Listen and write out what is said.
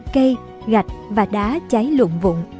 cây gạch và đá cháy lụn vụn